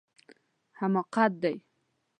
حماقت دی